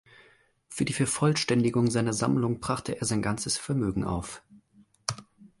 Für die Vervollständigung seiner Sammlung brachte er sein ganzes Vermögen auf.